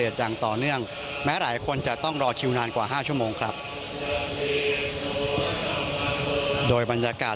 เชิญค่ะ